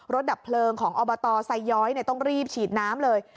ดับเพลิงของอบตไซย้อยต้องรีบฉีดน้ำเลย